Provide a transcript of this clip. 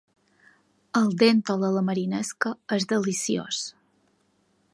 El déntol a la marinesca és deliciós.